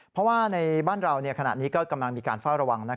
เพราะว่าในบ้านเราขณะนี้ก็กำลังมีการเฝ้าระวัง